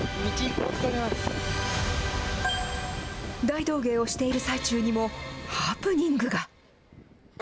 大道芸をしている最中にもハプニングが。